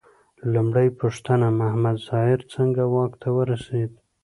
لومړۍ پوښتنه: محمد ظاهر څنګه واک ته ورسېد؟